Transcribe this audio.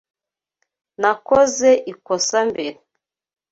Nakoze ikosa mbere.